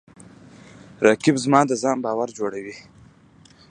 رقیب زما د ځان باور جوړوي